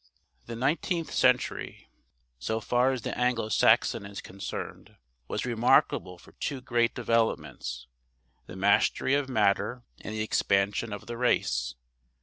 The nineteenth century, so far as the Anglo Saxon is concerned, was remarkable for two great developments: the mastery of matter and the expansion of the race.